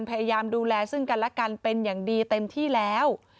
พยายามดูแลซึ่งกันและกันเป็นอย่างดีเต็มที่แล้ว